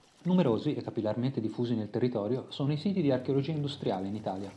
Numerosi e capillarmente diffusi nel territorio sono i siti di archeologia industriale in Italia.